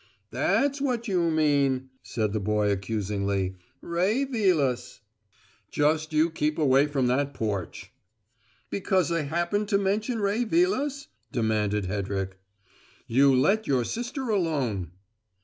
"That's what you mean," said the boy accusingly. "Ray Vilas!" "Just you keep away from that porch." "Because I happened to mention Ray Vilas?" demanded Hedrick. "You let your sister alone."